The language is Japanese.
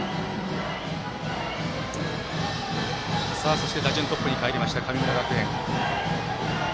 そして打順トップにかえりました神村学園。